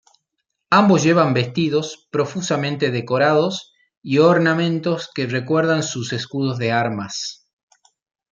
Ambos llevan vestidos profusamente decorados, y ornamentos que recuerdan sus escudos de armas.